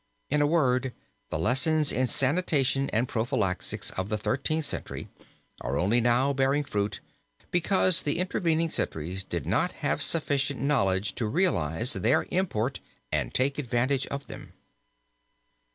In a word the lessons in sanitation and prophylaxis of the Thirteenth Century are only now bearing fruit, because the intervening centuries did not have sufficient knowledge to realize their import and take advantage of them.